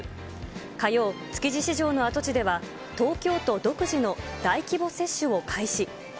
火曜、築地市場の跡地では、東京都独自の大規模接種を開始。